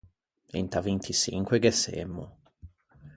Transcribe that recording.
Inta vinti çinque ghe semmo.